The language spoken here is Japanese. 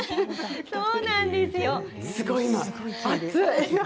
そうなんですよ。